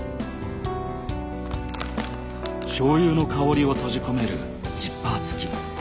醤油の香りを閉じ込めるジッパー付き。